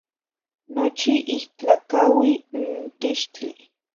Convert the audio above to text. Nochi ihtlacaui n tixtli.